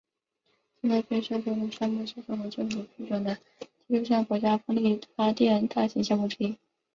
正在建设中的项目是中国政府批准的六项国家风力发电大型项目之一。